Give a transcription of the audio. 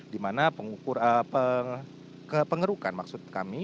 dimana pengukuran kepengerukan maksud kami